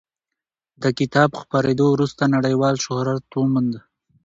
د کتاب خپرېدو وروسته نړیوال شهرت وموند.